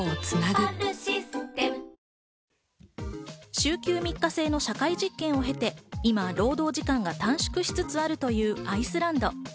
週休３日制の社会実験を経て今労働時間が短縮しつつあるというアイスランド。